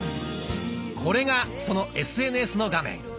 これがそのＳＮＳの画面。